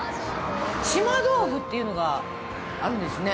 島どうふっていうのがあるんですね。